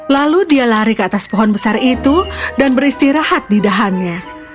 lalu dia lari ke atas pohon besar itu dan beristirahat di dahannya